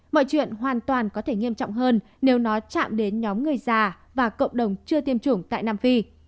mọi chuyện hoàn toàn có thể nghiêm trọng hơn nếu nó chạm đến nhóm người già và cộng đồng chưa tiêm chủng tại nam phi